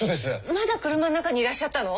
まだ車の中にいらっしゃったの！？